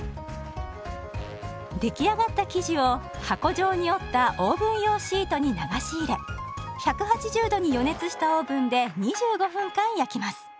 出来上がった生地を箱状に折ったオーブン用シートに流し入れ１８０度に予熱したオーブンで２５分間焼きます。